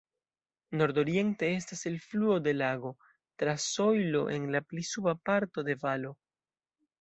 Nordoriente estas elfluo de lago, tra sojlo en la pli suba parto de valo.